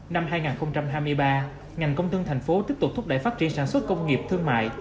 năm hai nghìn hai mươi ba ngành công thương thành phố tiếp tục thúc đẩy phát triển sản xuất công nghiệp thương mại